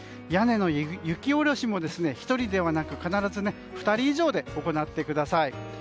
屋根の雪下ろしも１人ではなく必ず２人以上で行ってください。